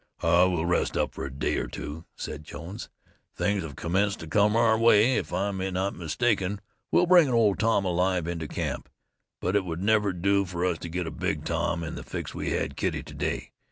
"We'll rest up for a day or two," said Jones "Things have commenced to come our way. If I'm not mistaken we'll bring an old Tom alive into camp. But it would never do for us to get a big Tom in the fix we had Kitty to day.